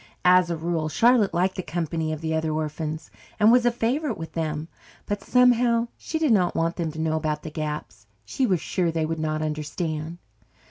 As a rule, Charlotte liked the company of the other orphans and was a favourite with them. But, somehow, she did not want them to know about the gaps. She was sure they would not understand.